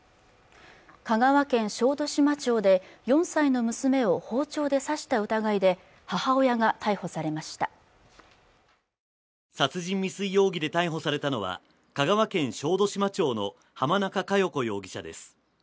香川県小豆島町で４歳の娘を包丁で刺した疑いで母親が逮捕されました殺人未遂容疑で逮捕されたのは香川県小豆島町の濱中佳代子容疑者です